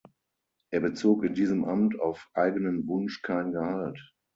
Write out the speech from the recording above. Er bezog in diesem Amt auf eigenen Wunsch kein Gehalt.